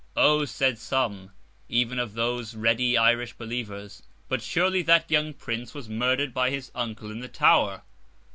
'O,' said some, even of those ready Irish believers, 'but surely that young Prince was murdered by his uncle in the Tower!